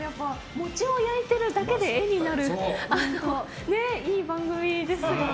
餅を焼いているだけで画になるいい番組ですよね。